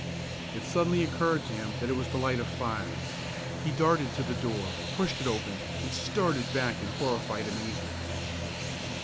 It suddenly occurred to him that it was the light of fire. He darted to the door, pushed it open, and started back in horrified amazement.